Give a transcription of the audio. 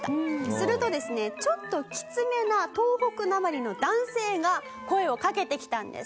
するとですねちょっときつめな東北なまりの男性が声を掛けてきたんです。